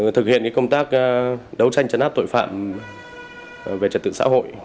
thực hiện công tác đấu tranh chấn áp tội phạm về trật tự xã hội